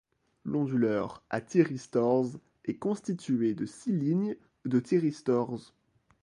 L'onduleur à thyristors est constitué de six lignes de thyristors.